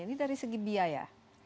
ini dari segi biaya